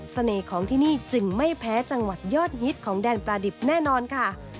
ของที่นี่จึงไม่แพ้จังหวัดยอดฮิตของแดนปลาดิบแน่นอนค่ะ